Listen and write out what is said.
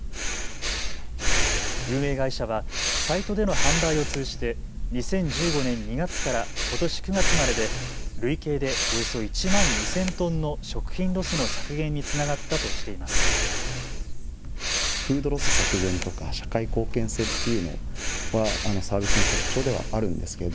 運営会社はサイトでの販売を通じて２０１５年２月からことし９月までで累計でおよそ１万２０００トンの食品ロスの削減につながったとしています。